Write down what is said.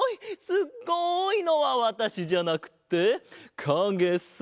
すっごい！」のはわたしじゃなくてかげさ。